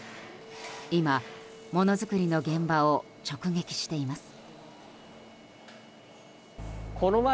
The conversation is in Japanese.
今、ものづくりの現場を直撃しています。